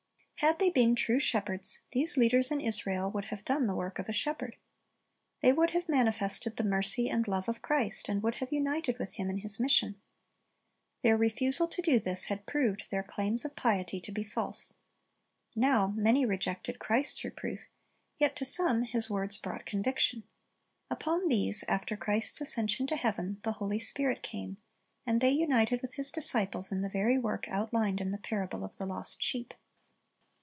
Had they been true shepherds, these leaders in Israel would have done the work of a shepherd. They would have manifested the mercy and love of Christ, and would have united with Him in His mission. Their refusal to do this had proved their claims of piety to be false. Now many rejected Christ's reproof; yet to some His words brought conviction. Upon these, after Christ's ascension to heaven, the Holy Spirit came, and they united with His disciples in the very work outlined in the parable of the lost sheep.